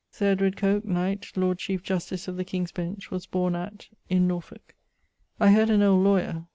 Sir Edward Coke[CK], knight, Lord Chiefe Justice of the King's Bench, was borne at ... in Norfolke. I heard an old lawyer